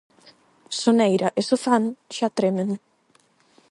Soneira e Sofán xa tremen.